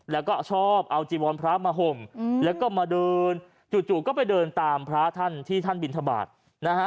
แล้วก็ชอบเอาจีวรพระมาห่มแล้วก็มาเดินจู่ก็ไปเดินตามพระท่านที่ท่านบินทบาทนะฮะ